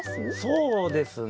そうですね